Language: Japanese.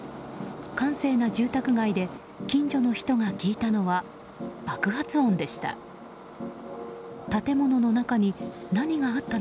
閑静な住宅街で近所の人が聞いたのは爆発音でした。